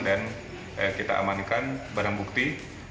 dan kita amankan barang bukti